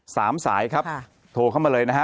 สามสายครับโทรเข้ามาเลยนะฮะ